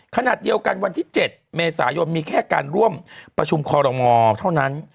ขณะเดียวกันวันที่๗เมษายนมีแค่การร่วมประชุมคอรมอเท่านั้น